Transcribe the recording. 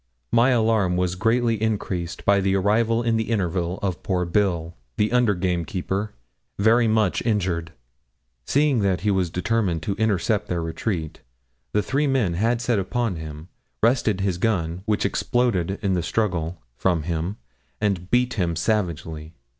My alarm was greatly increased by the arrival in the interval of poor Bill, the under gamekeeper, very much injured. Seeing that he was determined to intercept their retreat, the three men had set upon him, wrested his gun, which exploded in the struggle, from him, and beat him savagely.